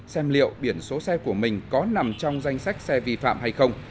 xem liệu biển số xe của mình có nằm trong danh sách xe vi phạm hay không